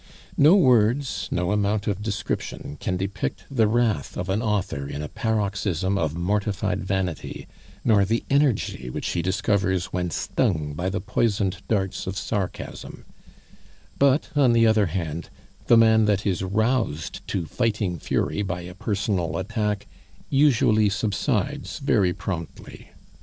No words, no amount of description, can depict the wrath of an author in a paroxysm of mortified vanity, nor the energy which he discovers when stung by the poisoned darts of sarcasm; but, on the other hand, the man that is roused to fighting fury by a personal attack usually subsides very promptly.